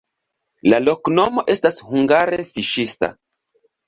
La loknomo estas hungare fiŝista.